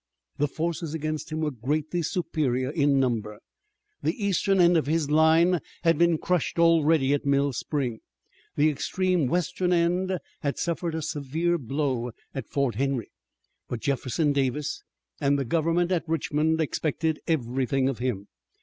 The forces against him were greatly superior in number. The eastern end of his line had been crushed already at Mill Spring, the extreme western end had suffered a severe blow at Fort Henry, but Jefferson Davis and the Government at Richmond expected everything of him.